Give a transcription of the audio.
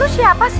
lu siapa sih